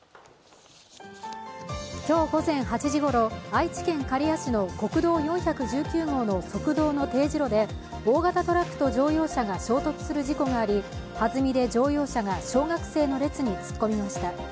今日午前８時ごろ愛知県刈谷市の国道４１９号の側道の丁字路で大型トラックと乗用車が衝突する事故がありはずみで乗用車が小学生の列に突っ込みました。